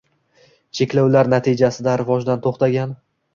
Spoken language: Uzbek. – cheklovlar natijasida rivojdan to‘xtagan